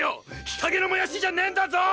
日陰のもやしじゃねえんだぞ！